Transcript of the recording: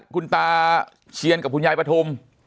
คุณตาเชียนกับคุณยายปฐุม